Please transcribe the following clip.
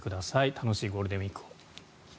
楽しいゴールデンウィークを。